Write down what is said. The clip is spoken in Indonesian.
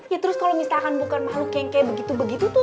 ya terus kalau misalkan bukan makhluk yang kayak begitu begitu tuh